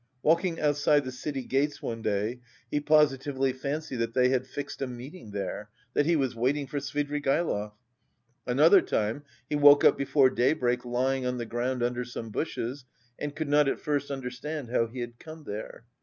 Walking outside the city gates one day, he positively fancied that they had fixed a meeting there, that he was waiting for Svidrigaïlov. Another time he woke up before daybreak lying on the ground under some bushes and could not at first understand how he had come there.